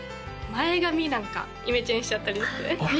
前髪なんかイメチェンしちゃったりしてあっ